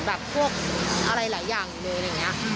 แบบพวกอะไรหลายอย่างเลยอะไรอย่างนี้